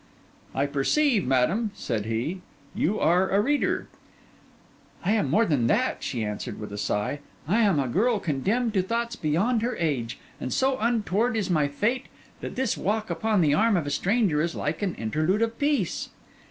'I perceive, madam,' said he, 'you are a reader.' 'I am more than that,' she answered, with a sigh. 'I am a girl condemned to thoughts beyond her age; and so untoward is my fate, that this walk upon the arm of a stranger is like an interlude of peace.